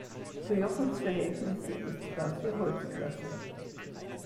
Für Jochens Verhältnisse ist das hier Holzklasse.